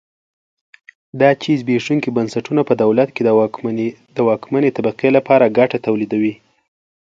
دا چې زبېښونکي بنسټونه په دولت کې د واکمنې طبقې لپاره ګټه تولیدوي.